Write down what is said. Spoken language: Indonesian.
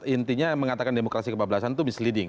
intinya mengatakan demokrasi kebablasan itu misleading